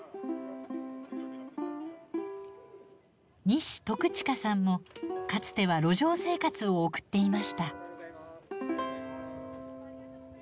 西篤近さんもかつては路上生活を送っていました。